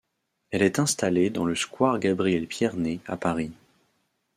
Elle est installée dans le square Gabriel-Pierné à Paris.